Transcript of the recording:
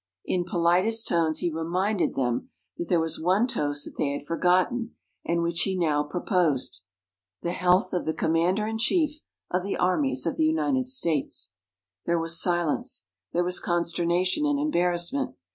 In politest tones, he reminded them there was one toast that they had forgotten, and which he now proposed: The health of the Commander in Chief of the Armies of the United States. There was silence. There was consternation and embarrassment.